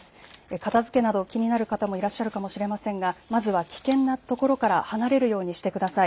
片づけなど気になる方もいらっしゃるかもしれませんがまずは危険な所から離れるようにしてください。